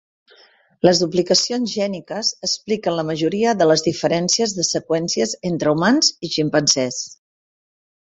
Les duplicacions gèniques expliquen la majoria de les diferències de seqüència entre humans i ximpanzés.